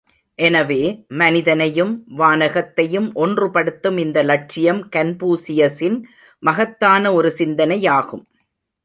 எனவே, மனிதனையும், வானகத்தையும் ஒன்றுபடுத்தும் இந்த லட்சியம் கன்பூசியசின் மகத்தான் ஒரு சிந்தனையாகும்.